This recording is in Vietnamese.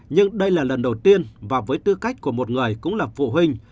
nhưng đây là lần đầu tiên và với tư cách của một người cũng là phụ huynh